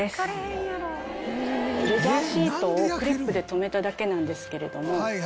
レジャーシートをクリップで留めただけなんですけれども。